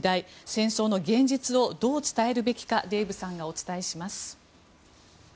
戦争の現実をどう伝えるべきかデーブさんがお伝えします。